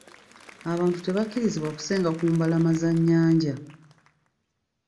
Abantu tebakkirizibwa kusenga ku mbalama za nnyanja.